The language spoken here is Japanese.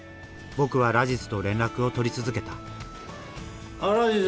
僕はラジズと連絡を取り続けたああラジズ！